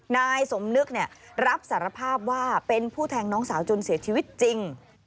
นายสมนึกรับสารภาพว่าเป็นผู้แทงน้องสาวจนเสียชีวิตจริง